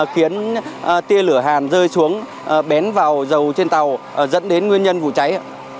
khiến tia lửa hàn rơi xuống bén vào dầu trên tàu dẫn đến nguyên nhân vụ cháy